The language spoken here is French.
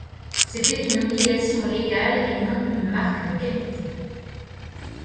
C'était une obligation légale et non une marque de qualité.